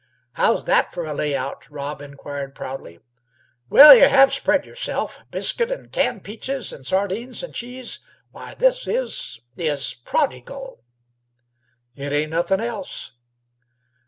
"How's that f'r a lay out?" Rob inquired proudly. "Well, you have spread yourself! Biscuit and canned peaches and sardines and cheese. Why, this is is prodigal." "It ain't nothin' else."